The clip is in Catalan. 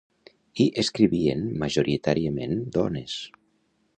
Hi escrivien majoritàriament dones.